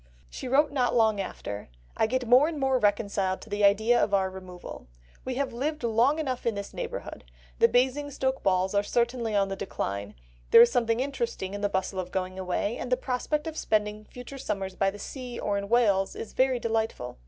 She wrote not long after, "I get more and more reconciled to the idea of our removal. We have lived long enough in this neighbourhood; the Basingstoke balls are certainly on the decline; there is something interesting in the bustle of going away, and the prospect of spending future summers by the sea or in Wales is very delightful.